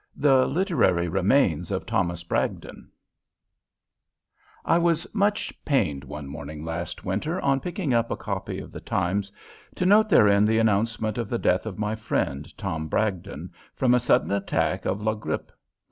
THE LITERARY REMAINS OF THOMAS BRAGDON I was much pained one morning last winter on picking up a copy of the Times to note therein the announcement of the death of my friend Tom Bragdon, from a sudden attack of la grippe.